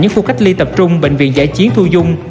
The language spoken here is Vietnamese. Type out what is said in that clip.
những khu cách ly tập trung bệnh viện giải trí thu dung